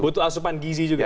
butuh asupan gizi juga